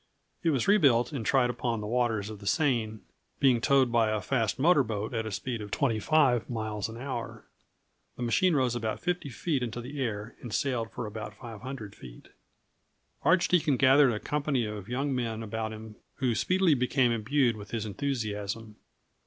It was rebuilt and tried upon the waters of the Seine, being towed by a fast motor boat at a speed of 25 miles an hour. The machine rose about 50 feet into the air and sailed for about 500 feet. Archdeacon gathered a company of young men about him who speedily became imbued with his enthusiasm.